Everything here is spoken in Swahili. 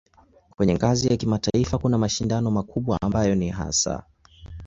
Kwenye ngazi ya kimataifa kuna mashindano makubwa ambayo ni hasa